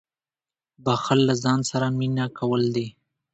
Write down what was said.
• بښل له ځان سره مینه کول دي.